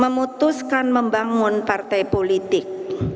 memutuskan membangun partai politik